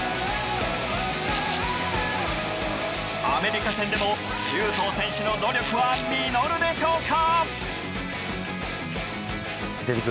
アメリカ戦でも周東選手の努力は実るでしょうか？